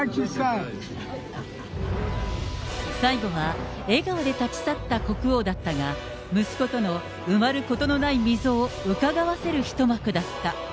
最後は笑顔で立ち去った国王だったが、息子との埋まることのない溝をうかがわせる一幕だった。